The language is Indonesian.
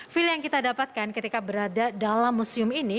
feel yang kita dapatkan ketika berada dalam museum ini